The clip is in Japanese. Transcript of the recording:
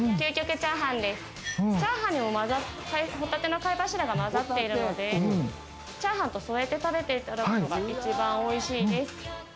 チャーハンにもホタテの貝柱が混ざっているのでチャーハンと添えて食べていただくのが一番おいしいです。